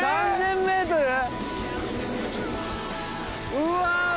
うわ！